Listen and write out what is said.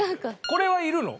これはいるの？